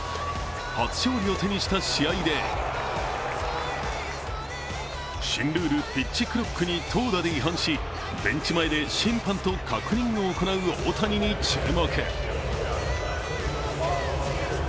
初勝利を手にした試合で、新ルール、ピッチクロックに投打で違反し、ベンチ前で審判と確認を行う大谷に注目。